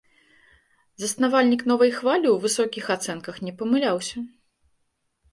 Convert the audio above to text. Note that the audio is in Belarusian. Заснавальнік новай хвалі ў высокіх ацэнках не памыляўся.